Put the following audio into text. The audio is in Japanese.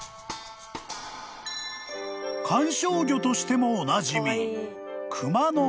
［観賞魚としてもおなじみ］